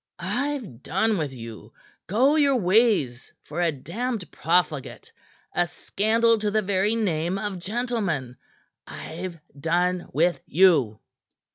I've done with you! Go your ways for a damned profligate a scandal to the very name of gentleman. I've done with you!"